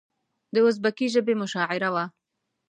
د ازبکي ژبې مشاعره وه.